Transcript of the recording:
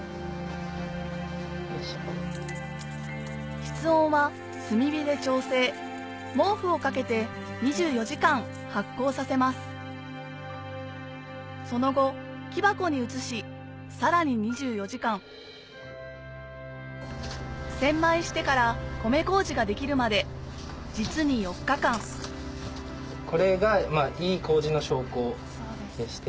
室温は炭火で調整毛布をかけて２４時間発酵させますその後木箱に移しさらに２４時間洗米してから米麹ができるまで実に４日間これがいい麹の証拠でして。